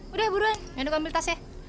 udah buruan ayo gue ambil tas ya